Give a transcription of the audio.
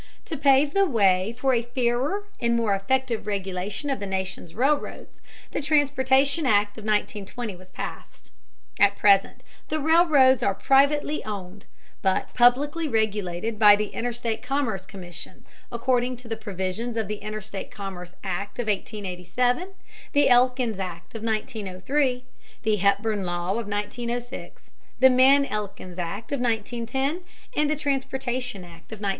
To pave the way for a fairer and more effective regulation of the nation's railroads, the Transportation Act of 1920 was passed. At present the railroads are privately owned, but publicly regulated by the Interstate Commerce Commission, according to the provisions of the Interstate Commerce Act of 1887, the Elkins Act of 1903, the Hepburn Law of 1906, the Mann Elkins Act of 1910, and the Transportation Act of 1920.